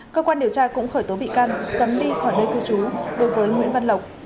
cơ quan điều tra cũng khởi tố bị can cấm đi khỏi nơi cư trú đối với nguyễn văn lộc